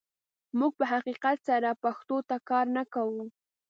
موږ په حقیقت سره پښتو ته کار نه کوو.